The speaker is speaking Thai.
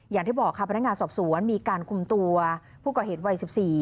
อย่างที่บอกค่ะพนักงานสอบสวนมีการคุมตัวผู้ก่อเหตุวัย๑๔